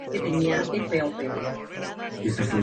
Se apoya sobre unas robustas columnas cuadradas y muy decoradas.